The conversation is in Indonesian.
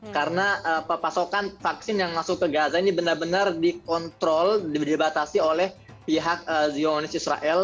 karena pasokan vaksin yang masuk ke gaza ini benar benar dikontrol dibatasi oleh pihak zionis israel